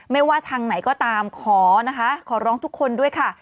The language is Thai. ไม่ว่าทางไหนก็ตามขอนะคะขอร้องทุกคนด้วยค่ะ